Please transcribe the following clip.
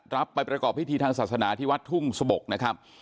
รับไปปรากฏพฤทธิทางศาสนาที่วัดทุ่งสบกนะครับ